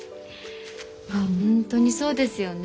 本当にそうですよね。